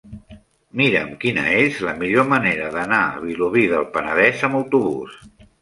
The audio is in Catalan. Mira'm quina és la millor manera d'anar a Vilobí del Penedès amb autobús.